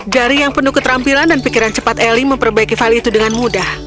jari yang penuh keterampilan dan pikiran cepat eli memperbaiki hal itu dengan mudah